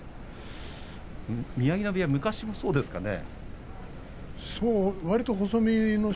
宮城野部屋、昔もそうですかね。